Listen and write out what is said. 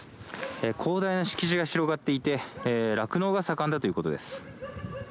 広大な敷地が広がっていて酪農が盛んだということです。